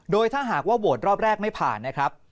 โดยถ้าหากว่าโหวตรอบแรกไม่ผ่านนะครับ